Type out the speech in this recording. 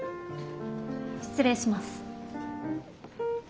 失礼します。